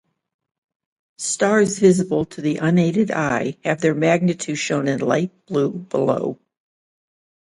Stars visible to the unaided eye have their magnitude shown in light blue below.